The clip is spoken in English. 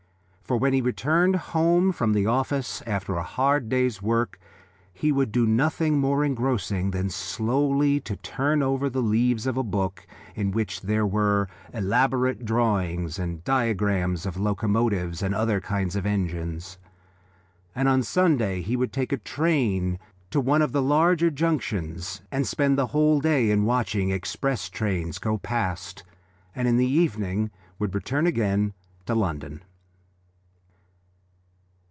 For when he returned from the office after a hard day's work he would do nothing more engrossing than slowly to turn over the leaves of a book in which there were elaborate drawings and diagrams of locomotives and other kinds of engines. And on Sunday he would take a train to one of the large junctions and spend the whole day in watching express trains go past, and in the evening would return again to London.